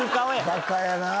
バカやなぁ。